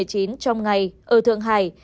trong ngày ở thương hải